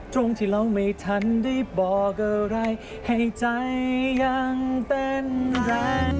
ตรงที่เราไม่ทันได้บอกอะไรให้ใจยังเป็นแรง